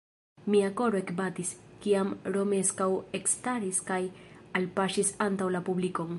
Mia koro ekbatis, kiam Romeskaŭ ekstaris kaj alpaŝis antaŭ la publikon.